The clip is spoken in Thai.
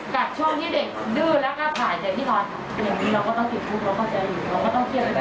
กัดช่องที่เด็กดื้อแล้วก็ผ่ายแต่ที่เราอย่างนี้เราก็ต้องเก็บภูมิเราก็จะหยุด